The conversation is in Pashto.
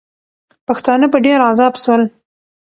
پښتانه په ډېر عذاب سول.